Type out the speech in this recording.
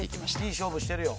いい勝負してるよ